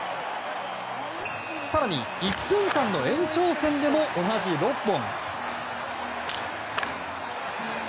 更に１分間の延長戦でも同じ６本。